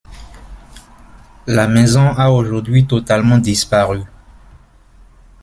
La maison a aujourd'hui totalement disparu.